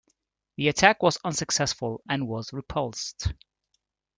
The attack was unsuccessful and was repulsed.